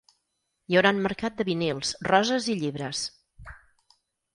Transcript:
Hi haurà un mercat de vinils, roses i llibres.